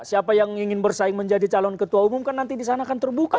siapa yang ingin bersaing menjadi calon ketua umum kan nanti di sana akan terbuka